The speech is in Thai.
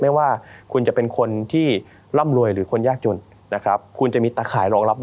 ไม่ว่าคุณจะเป็นคนที่ร่ำรวยหรือคนยากจนคุณจะมีตาข่ายรองรับนะครับ